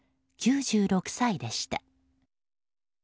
９６歳でした。